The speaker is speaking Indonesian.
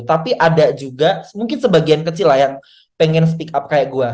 tapi ada juga mungkin sebagian kecil lah yang pengen speak up kayak gue